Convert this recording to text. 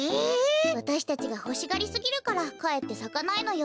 わたしたちがほしがりすぎるからかえってさかないのよ。